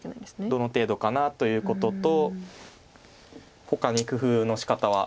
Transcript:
どの程度かなということとほかに工夫のしかたは。